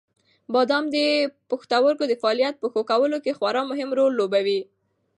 بادام د پښتورګو د فعالیت په ښه کولو کې خورا مهم رول لوبوي.